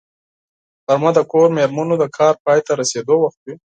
غرمه د کور مېرمنو د کار پای ته رسېدو وخت وي